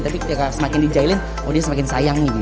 tapi semakin dijahilin oh dia semakin sayang nih gitu